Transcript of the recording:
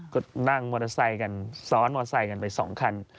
ก็นั่งมอเตอร์ไซค์กันซ้อนมอไซค์กันไป๒คัน